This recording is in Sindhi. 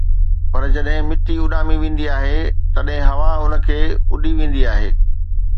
پر جڏهن مٽي اُڏامي ويندي آهي، تڏهن هوا ان کي اُڏي ويندي آهي